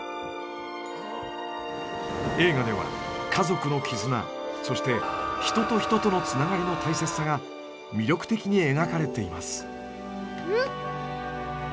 映画では家族の絆そして人と人とのつながりの大切さが魅力的に描かれています。